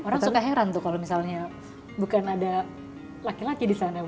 orang suka heran tuh kalau misalnya bukan ada laki laki di sana